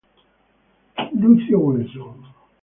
Lucio Wilson